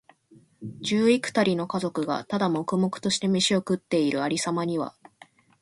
十幾人の家族が、ただ黙々としてめしを食っている有様には、